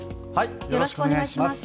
よろしくお願いします。